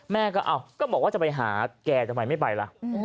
แม่ก็บอกว่าจะไปหาแกทำไมไม่ไปล่ะ